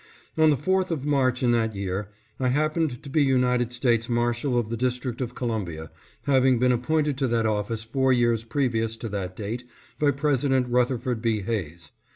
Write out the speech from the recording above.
On the 4th of March in that year, I happened to be United States Marshal of the District of Columbia, having been appointed to that office four years previous to that date by President Rutherford B. Hayes.